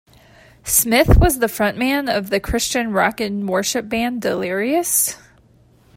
Smith was the front man of the Christian rock and worship band Delirious?